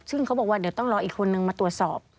ซึ่งเขาบอกว่าเดี๋ยวต้องรออีกคนนึงมาตรวจสอบ